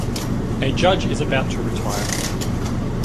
A judge is about to retire.